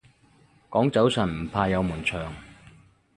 講早晨唔怕有悶場